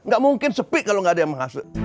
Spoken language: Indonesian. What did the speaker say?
gak mungkin sepi kalo gak ada yang menghasut